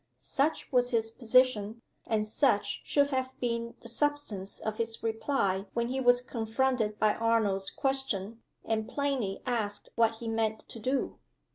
Such was his position, and such should have been the substance of his reply when he was confronted by Arnold's question, and plainly asked what he meant to do.